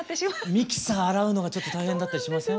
ミキサー洗うのがちょっと大変だったりしません？